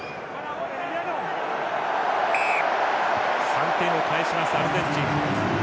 ３点を返します、アルゼンチン。